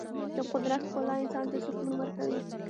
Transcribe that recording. د قدرت ښکلا انسان ته سکون ورکوي.